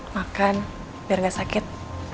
makan biar gak sakit